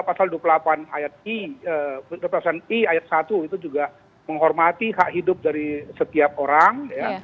pasal dua puluh delapan ayat i ayat satu itu juga menghormati hak hidup dari setiap orang